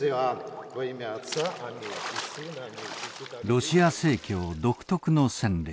ロシア正教独特の洗礼。